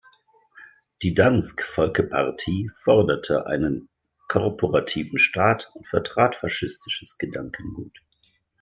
Die Dansk Folkeparti forderte einen korporativen Staat und vertrat faschistisches Gedankengut.